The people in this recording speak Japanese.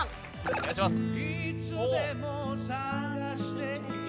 お願いします。